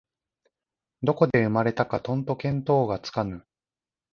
どこで生まれたかとんと見当がつかぬ